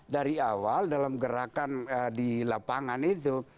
dari awal dalam gerakan di lapangan itu